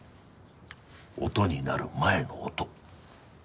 音になる前の音。